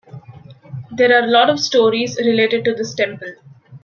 There are a lot of stories related to this temple.